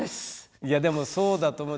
いやでもそうだと思う。